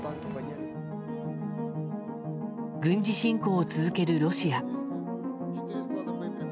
軍事侵攻を続けるロシア。